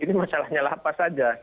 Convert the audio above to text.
ini masalahnya lapas saja